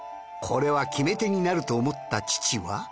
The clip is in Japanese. これは決め手になると思った父は。